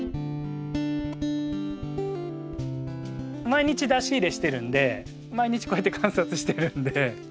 毎日出し入れしてるんで毎日こうやって観察してるんで。